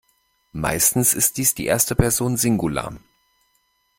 Meistens ist dies die erste Person Singular.